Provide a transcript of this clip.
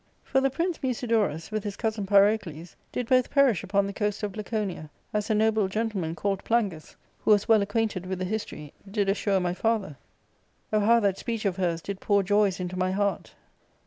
For the Prince Musidorus, with his cousin Pyrocles, did both perish upon the coast of LaconiaT, as a noble gentleman, called Plangus, who was well acquainted with the history, did assure my father.' Oh, how that speech of hers did pour joys into my heart